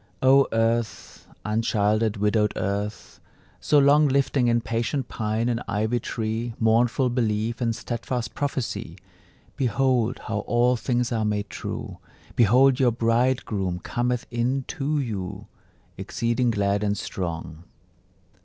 O earth, unchilded, widowed Earth, so long Lifting in patient pine and ivy tree Mournful belief and steadfast prophecy, Behold how all things are made true! Behold your bridegroom cometh in to you, Exceeding glad and strong.